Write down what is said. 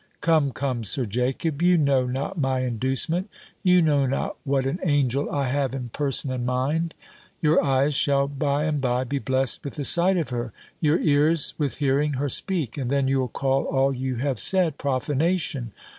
"Come, come, Sir Jacob, you know not my inducement. You know not what an angel I have in person and mind. Your eyes shall by and bye be blest with the sight of her: your ears with hearing her speak: and then you'll call all you have said, profanation."